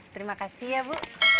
terima kasih ya bu